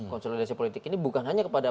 konsolidasi politik ini bukan hanya kepada